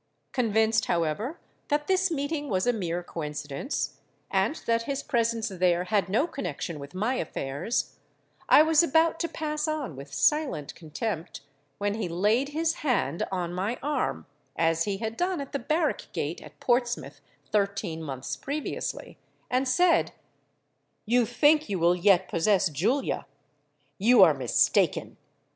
Convinced, however, that this meeting was a mere coincidence, and that his presence there had no connexion with my affairs, I was about to pass on with silent contempt, when he laid his hand on my arm—as he had done at the barrack gate at Portsmouth thirteen months previously—and said, 'You think you will yet possess Julia: you are mistaken!